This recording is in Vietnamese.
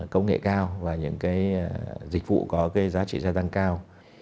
công nghệ cao và những cái dịch vụ có cái giá trị gia tăng cao